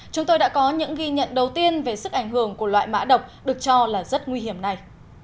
chúng tôi đã có những ghi nhận đầu tiên về sức ảnh hưởng của loại mã độc được cho là rất nguy hiểm này